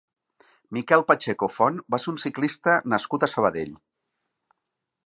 Miquel Pacheco Font va ser un ciclista nascut a Sabadell.